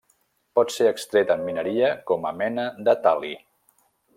Pot ser extret en mineria com a mena de tal·li.